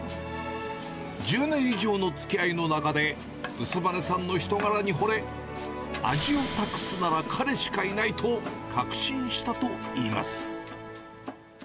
１０年以上のつきあいの中で、薄羽さんの人柄にほれ、味を託すなら彼しかいないと確信したといいます。